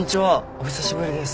お久しぶりです。